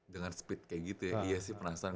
dengan speed kayak gitu ya iya sih penasaran